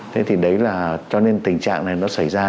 thế thì đấy là cho nên tình trạng này nó xảy ra